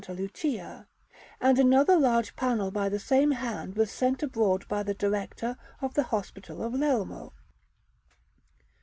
Lucia; and another large panel by the same hand was sent abroad by the Director of the Hospital of Lelmo.